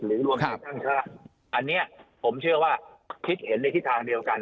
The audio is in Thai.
รวมไทยสร้างชาติอันนี้ผมเชื่อว่าคิดเห็นในทิศทางเดียวกัน